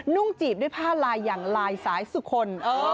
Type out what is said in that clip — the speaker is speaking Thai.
่งจีบด้วยผ้าลายอย่างลายสายสุคน